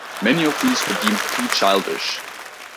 Many of these were deemed too childish.